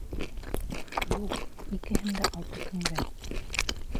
— Юҡ, икеһен дә алты көнгә!